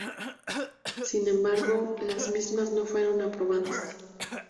Sin embargo, las mismas no fueron aprobadas.